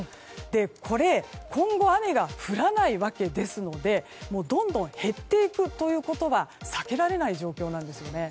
これ、今後雨が降らないわけですのでどんどん減っていくことが避けられない状況なんですよね。